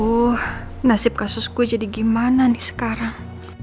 aduh nasib kasus gue jadi gimana nih sekarang